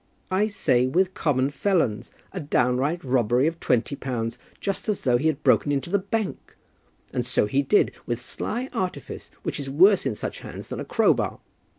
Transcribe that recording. "I say with common felons! A downright robbery of twenty pounds, just as though he had broken into the bank! And so he did, with sly artifice, which is worse in such hands than a crowbar.